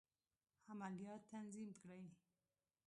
عملیات تنظیم کړي.